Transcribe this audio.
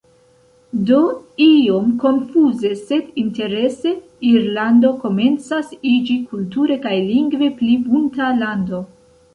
Do, iom konfuze, sed interese, Irlando komencas iĝi kulture kaj lingve pli bunta lando.